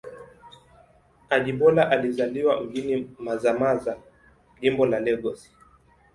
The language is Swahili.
Ajibola alizaliwa mjini Mazamaza, Jimbo la Lagos.